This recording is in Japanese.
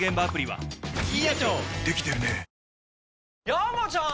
山ちゃん！